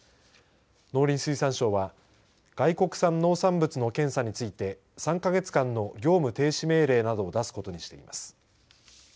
農林水産省は外国産農産物の検査について３か月間の業務停止命令などを出すことにしています。